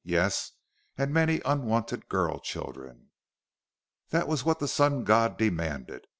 Yes, and many unwanted girl children.... That was what the Sun God demanded.